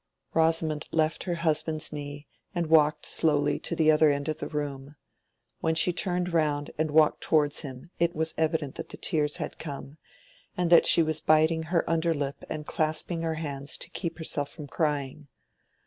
Rosamond left her husband's knee and walked slowly to the other end of the room; when she turned round and walked towards him it was evident that the tears had come, and that she was biting her under lip and clasping her hands to keep herself from crying.